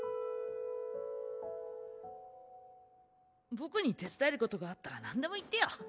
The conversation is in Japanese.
僕に手伝えることがあったらなんでも言ってよ。